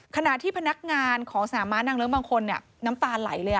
ขณะที่พนักงานของสนามม้านางเลิ้งบางคนน้ำตาไหลเลย